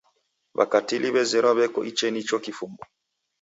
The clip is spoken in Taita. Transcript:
W'akatili w'azerwa w'eko ichenicho kifumbu.